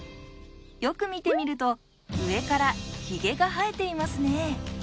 よく見てみると上からヒゲが生えていますね。